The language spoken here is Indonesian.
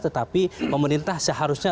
tetapi pemerintah seharusnya